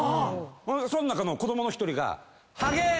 そん中の子供の１人が。